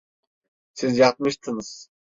Siz yatmıştınız…